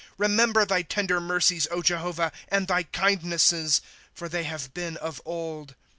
^ Rememher thy tender mercies, Jehovah, and thy kindnesses ; For they have been of old.